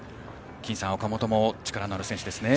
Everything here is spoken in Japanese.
金さん、岡本も力のある選手ですね。